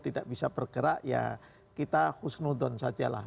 tidak bisa bergerak ya kita husnudon saja lah